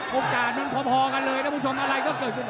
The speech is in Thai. โอกาสมันพอกันเลยนะผู้ชมอะไรก็เกิดขึ้น